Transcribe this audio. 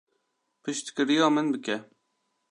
Piştgiriya min bike.